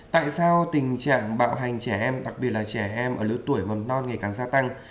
tại sao tình trạng bạo hành trẻ em đặc biệt là trẻ em ở lứa tuổi mầm non ngày càng gia tăng